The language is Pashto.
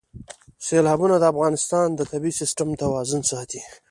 سیلابونه د افغانستان د طبعي سیسټم توازن ساتي.